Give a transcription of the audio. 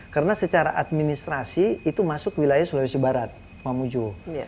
karena secara administrasi itu masuk wilayah sulawesi barat mamuju